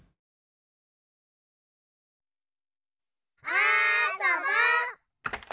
あそぼ！